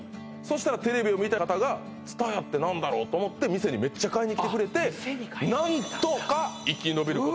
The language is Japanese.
したらテレビを見た方が津多屋って何だろうと思って店にめっちゃ買いに来てくれて店に買いに来てくれたんだうわ